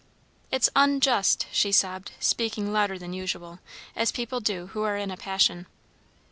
"It's unjust!" she sobbed, speaking louder than usual, as people do who are in a passion.